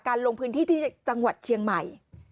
ลงพื้นที่ที่จังหวัดเชียงใหม่